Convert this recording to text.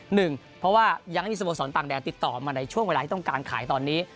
เพราะว่ายังไม่มีสโมสรต่างแดนติดต่อมาในช่วงเวลาที่ต้องการขายตอนนี้